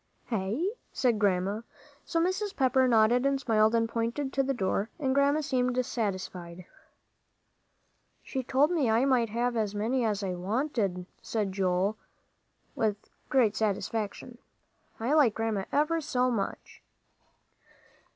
"Hey?" said Grandma. So Mrs. Pepper nodded and smiled and pointed to the door, and Grandma seemed satisfied. "She told me I might have as many's I wanted," said Joel, with great satisfaction. "I like Grandma ever so much."